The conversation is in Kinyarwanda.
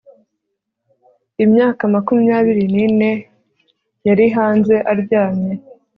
imyaka makumyabiri nine, yari hanze aryamye